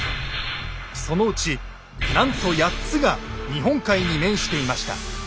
そのうちなんと８つが日本海に面していました。